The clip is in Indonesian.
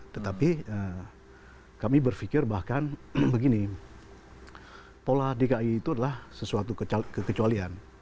tetapi kami berpikir bahkan begini pola dki itu adalah sesuatu kekecualian